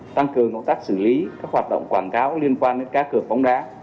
tăng cường công tác xử lý các hoạt động quảng cáo liên quan đến cắt cược bóng đá